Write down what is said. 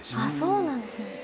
あっそうなんですね。